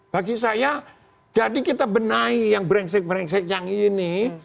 bagi saya jadi kita benahi yang brengsek brengsek yang ini